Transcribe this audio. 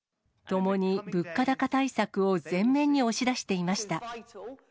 ともに物価高対策を前面に押し出していました。